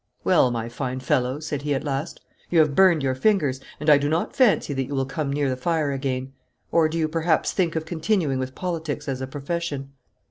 'Well, my fine fellow,' said he at last, 'you have burned your fingers, and I do not fancy that you will come near the fire again. Or do you perhaps think of continuing with politics as a profession?'